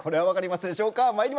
分かりますでしょうか。